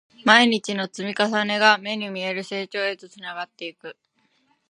毎日の積み重ねが、目に見える成長へとつながっていく